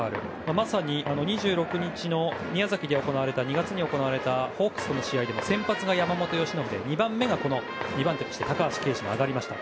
まさに宮崎で２月に行われたホークスの試合では先発が山本由伸で２番手として高橋奎二が上がりました。